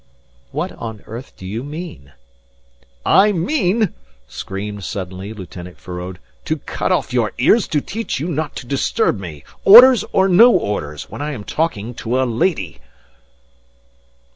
"What on earth do you mean?" "I mean," screamed suddenly Lieutenant Feraud, "to cut off your ears to teach you not to disturb me, orders or no orders, when I am talking to a lady."